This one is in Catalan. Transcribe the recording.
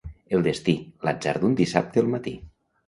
El destí, l'atzar d'un dissabte al matí.